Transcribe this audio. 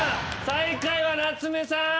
最下位は夏目さん！